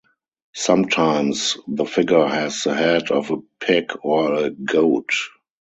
Sometimes the figure has the head of a pig or a goat.